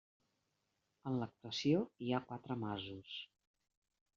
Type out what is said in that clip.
En l'actuació hi ha quatre masos.